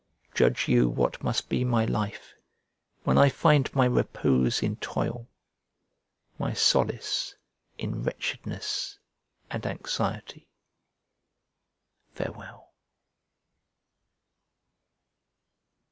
Judge you what must be my life when I find my repose in toil, my solace in wretchedness and anxiety. Farewell.